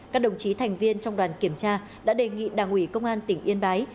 các đồng chí thành viên trong đoàn kiểm tra đã đề nghị đảng ủy công an tỉnh yên bái